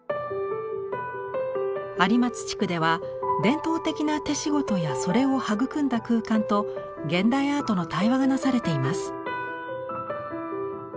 有松地区では伝統的な手仕事やそれを育んだ空間と現代アートの対話がなされています。